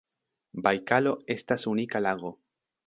Bajkalo estas unika lago.